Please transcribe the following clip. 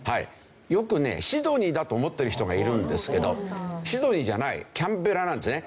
よくねシドニーだと思ってる人がいるんですけどシドニーじゃないキャンベラなんですね。